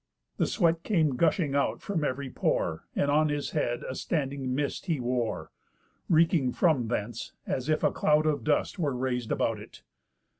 The sweat came gushing out from ev'ry pore And on his head a standing mist he wore, Reeking from thence, as if a cloud of dust Were rais'd about it.